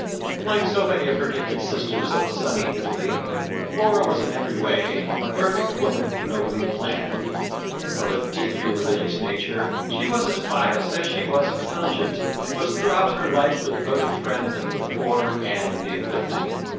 " Like so many of her gifted sisters of sunny Italy, Laura was in every way "a perfect woman nobly planned." Of a deeply religious nature, she was as pious as she was intelligent, and was throughout her life the devoted friend of the poor and the afflicted.